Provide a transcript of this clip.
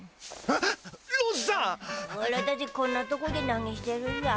おらたちこんなとこで何してるだ？